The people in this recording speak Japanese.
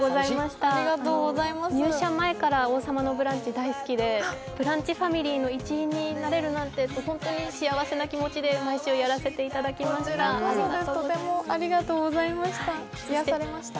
入社前から「王様のブランチ」大好きで、「ブランチ」ファミリーの一員になれるなんてと、本当に幸せな気持ちで毎週やらせていただいていました。